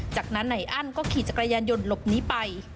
จากนั้นนายอั้นก็ขี่จักรยานยนต์หลบหนีไป